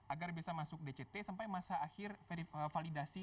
agar bisa masuk dct sampai masa akhir validasi